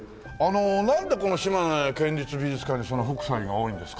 なんでこの島根県立美術館にそんな北斎が多いんですか？